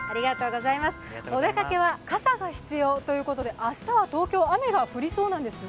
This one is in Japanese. お出かけは傘が必要ということで、明日は東京、雨が降りそうなんですね。